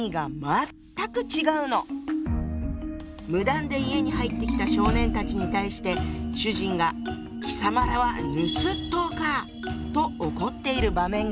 無断で家に入ってきた少年たちに対して主人が「貴様等はぬすっとうか」と怒っている場面があるわ。